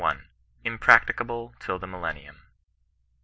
IMPBAOTICABLE TILL THE MILLENlf lUM.